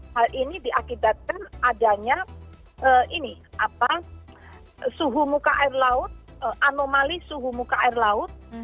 hal ini diakibatkan adanya suhu muka air laut anomali suhu muka air laut